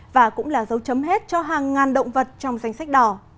và cũng là dấu chấm hết cho hàng ngàn động vật trong danh sách đỏ